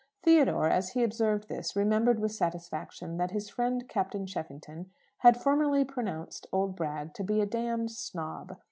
Theodore, as he observed this, remembered with satisfaction that his friend Captain Cheffington had formerly pronounced old Bragg to be a d d snob.